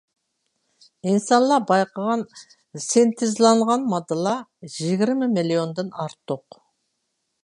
ئىنسانلار بايقىغان سىنتېزلانغان ماددىلار يىگىرمە مىليوندىن ئارتۇق.